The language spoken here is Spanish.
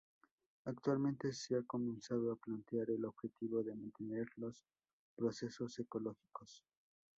Actualmente se ha comenzado a plantear el objetivo de mantener los procesos ecológicos.